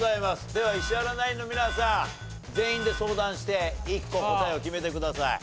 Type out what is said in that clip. では石原ナインの皆さん全員で相談して１個答えを決めてください。